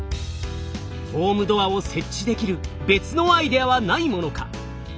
ホームドアを設置できる別のアイデアはないものか？